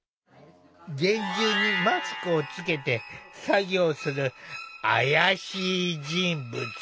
厳重にマスクをつけて作業する怪しい人物。